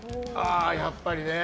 やっぱりね。